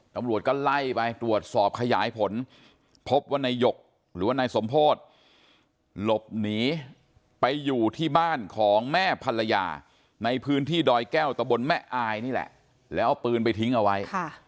ตำรวจก็ไล่ไปตรวจสอบขยายผลพบว่านายหยกหรือว่านายสมโพธิหลบหนีไปอยู่ที่บ้านของแม่ภรรยาในพื้นที่ดอยแก้วตะบนแม่อายนี่แหละแล้วเอาปืนไปทิ้งเอาไว้